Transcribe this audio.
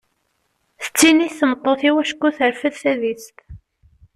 Tettinnit tmeṭṭut-iw acku terfed tadist.